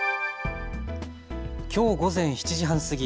きょう午前７時半過ぎ